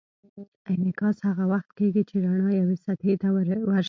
انعکاس هغه وخت کېږي چې رڼا یوې سطحې ته ورشي.